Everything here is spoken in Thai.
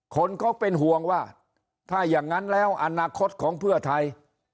คนเขาเป็นห่วงว่าถ้าอย่างนั้นแล้วอนาคตของเพื่อไทย